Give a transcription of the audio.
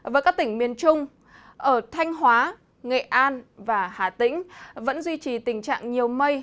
với các tỉnh miền trung ở thanh hóa nghệ an và hà tĩnh vẫn duy trì tình trạng nhiều mây